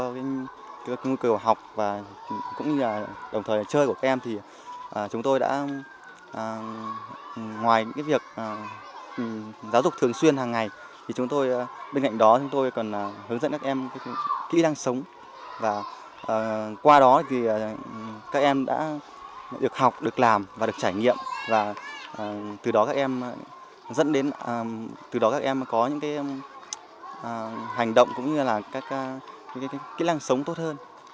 và từ đó các em có những hành động cũng như là các kỹ năng sống tốt hơn